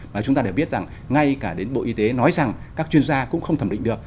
và chúng ta đều biết rằng ngay cả đến bộ y tế nói rằng các chuyên gia cũng không thẩm định được